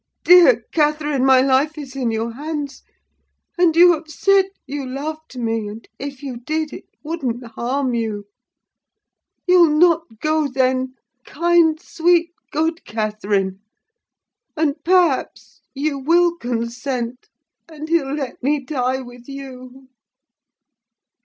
Dear Catherine, my life is in your hands: and you have said you loved me, and if you did, it wouldn't harm you. You'll not go, then? kind, sweet, good Catherine! And perhaps you will consent—and he'll let me die with you!"